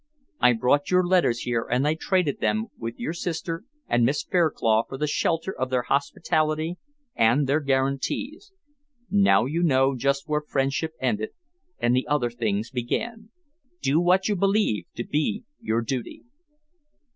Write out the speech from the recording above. I brought your letters here, and I traded them with your sister and Miss Fairclough for the shelter of their hospitality and their guarantees. Now you know just where friendship ended and the other things began. Do what you believe to be your duty."